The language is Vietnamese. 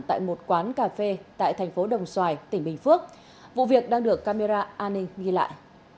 tại một quán cà phê tại thành phố đồng xoài tỉnh bình phước vụ việc đang được camera an ninh ghi lại